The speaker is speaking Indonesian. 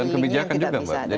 dan kebijakan juga mbak